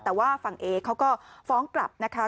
แต่ว่าฝั่งเอเขาก็ฟ้องกลับนะคะ